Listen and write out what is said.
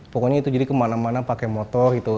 pokoknya itu jadi kemana mana pakai motor gitu